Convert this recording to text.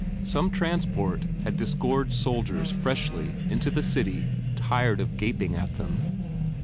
Some transport had disgorged soldiers freshly into the city tired of gaping at them.